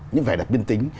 những vẻ đặc biên tính